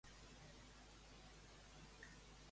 Finalment, qui succeirà Roldán en el seu càrrec?